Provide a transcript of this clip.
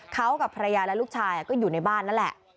เขากับภรรยาและลูกชายก็อยู่ในบ้านนั่นแหละ